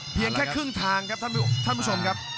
เพียงแค่ครึ่งทางครับท่านผู้ชมครับ